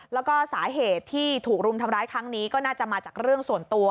แล้วก็สาเหตุที่ถูกรุมทำร้ายครั้งนี้ก็น่าจะมาจากเรื่องส่วนตัว